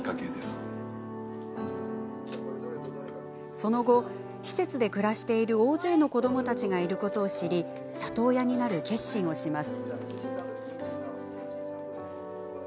その後、施設で暮らしている大勢の子どもたちがいることを知り、里親になる決心をします。